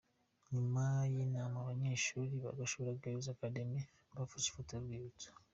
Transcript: Nyuma y'inama abanyeshuri ba Gashora Girls Academy bafashe ifoto y'urwibutso.